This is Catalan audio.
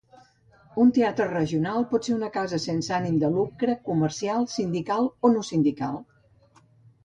Un teatre regional pot ser una casa sense ànim de lucre, comercial, sindical o no sindical.